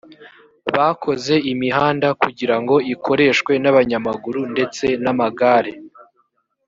bakoze imihanda kugirango ikoreshwe n’abanyamaguru ndetse n’amagare